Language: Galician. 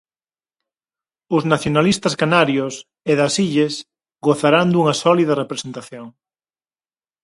Os nacionalistas canarios e das Illes gozarán dunha sólida representación.